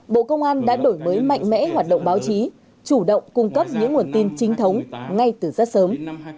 bộ công an đã đổi mới mạnh mẽ hoạt động báo chí chủ động cung cấp những nguồn tin chính thống ngay từ rất sớm